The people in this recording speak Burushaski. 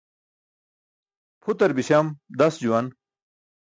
Pʰutar biśam das juwan.